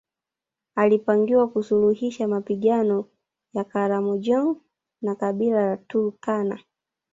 Alipangiwa kusuluhisha mapigano ya Karamojong na kabila la Turkana